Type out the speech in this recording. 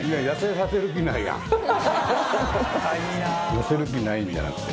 痩せる気ないんじゃなくて。